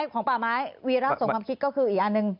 ของป่าไม้วีระสมความคิดก็คืออีกอันหนึ่ง